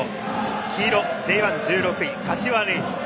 黄色Ｊ１、１６位柏レイソル。